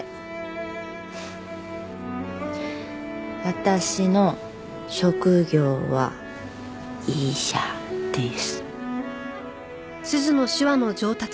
私の職業は医者です。